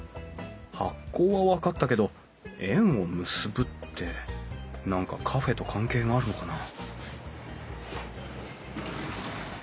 「発酵」は分かったけど「縁を結ぶ」って何かカフェと関係があるのかな？